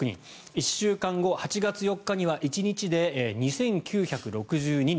１週間後の８月４日は１日で２９６２人。